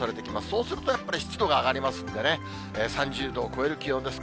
そうするとやっぱり湿度が上がりますんでね、３０度を超える気温です。